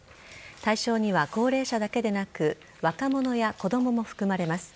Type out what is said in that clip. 対象には高齢者だけでなく若者や子供も含まれます。